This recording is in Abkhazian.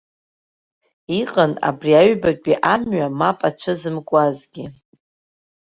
Иҟан абри аҩбатәи амҩа мап ацәызымкуазгьы.